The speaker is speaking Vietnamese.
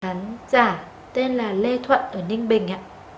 chào các bạn tên là lê thuận ở ninh bình